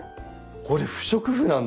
これ不織布なんだ！